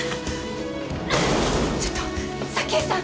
ちょっと沙希江さん！